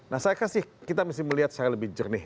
nah saya kasih kita mesti melihat secara lebih jernih